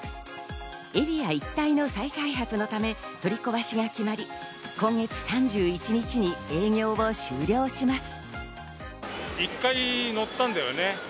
エリア一帯の再開発のため、取り壊しが決まり、今月３１日に営業を終了します。